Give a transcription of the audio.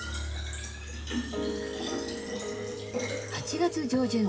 ８月上旬。